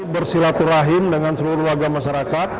bersilaturahim dengan seluruh warga masyarakat